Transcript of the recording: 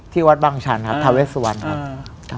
ที่วัดบางชันครับทาเวสสุวรรค์ครับ